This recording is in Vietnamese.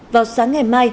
vào sáng ngày mai